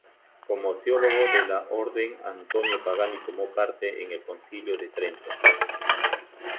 Como teólogo de la Orden, Antonio Pagani tomó parte en el Concilio de Trento.